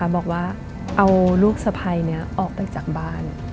บอกว่าเอาลูกสะพัยนี้ออกไปจากบ้าน